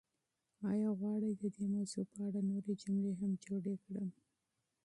ایا غواړئ چې د دې موضوع په اړه نورې جملې هم جوړې کړم؟